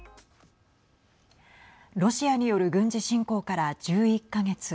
ロシアによる軍事侵攻から１１か月。